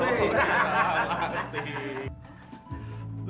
masuk remi hear k siblings